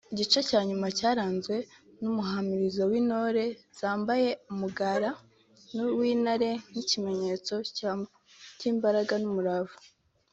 Igice cya nyuma cyaranzwe n’umuhamirizo w’Intore zambaye umugara w’intare nk’ikimenyetso cy’imbaraga n’umurava